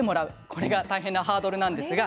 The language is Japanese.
これが大変なハードルなんですが。